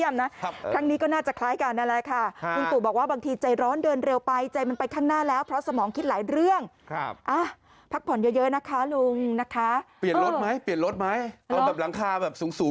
ไม่น่าใช่หรอกนะครับเอาหรอกครับ